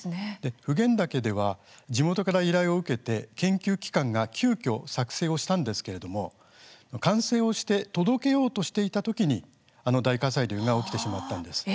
普賢岳では地元から依頼を受けて研究機関が急きょ作成をしたんですけれども完成して届けようとしていたときにあの大火砕流が起きてしまったんです。